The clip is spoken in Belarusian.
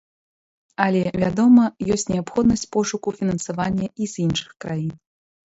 Але, вядома, ёсць неабходнасць пошуку фінансавання і з іншых краін.